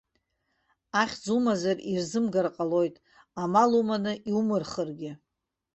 Ахьӡ умазар ирзымгар ҟалоит, амал уманы иумырхыргьы.